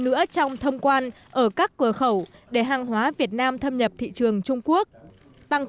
nữa trong thông quan ở các cửa khẩu để hàng hóa việt nam thâm nhập thị trường trung quốc tăng